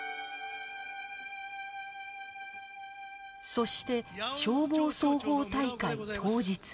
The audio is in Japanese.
そして消防操法大会当日